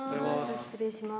失礼します。